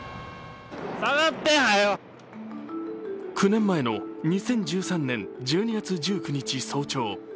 ９年前の２０１３年１２月１９日、早朝。